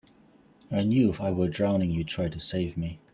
I knew if I were drowning you'd try to save me.